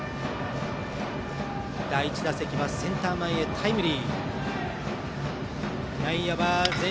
第１打席はセンター前へタイムリー。